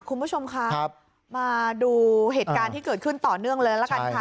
คุณผู้ชมคะมาดูเหตุการณ์ที่เกิดขึ้นต่อเนื่องเลยละกันค่ะ